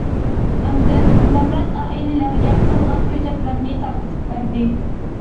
ئاندىن نامرات ئائىلىلەرگە قالغان كۆچەتلەرنى تارقىتىپ بەردى.